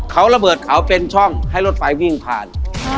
เขาระเบิดเขาเป็นช่องให้รถไฟวิ่งผ่าน